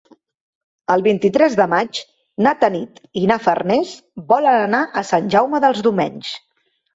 El vint-i-tres de maig na Tanit i na Farners volen anar a Sant Jaume dels Domenys.